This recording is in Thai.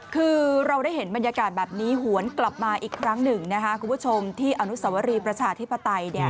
คือเราได้เห็นบรรยากาศแบบนี้หวนกลับมาอีกครั้งหนึ่งนะคะคุณผู้ชมที่อนุสวรีประชาธิปไตย